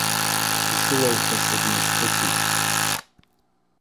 Ишылалҳәаша дназхәыцит.